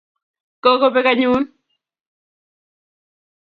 Kokobek anyun